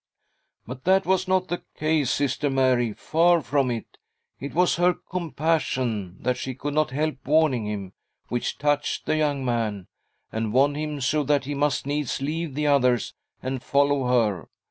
But that was not the case, Sister Mary, far 'from it ; it was her compassion — that she could not help warning him — which touched the young man, and won him so that he must needs leave the others and follow her.